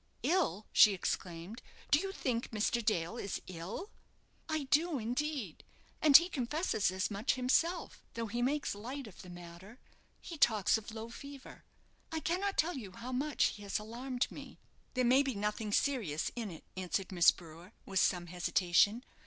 "Ill!" she exclaimed; "do you think Mr. Dale is ill?" "I do, indeed; and he confesses as much himself, though he makes light of the matter. He talks of low fever. I cannot tell you how much he has alarmed me." "There may be nothing serious in it," answered Miss Brewer, with some hesitation.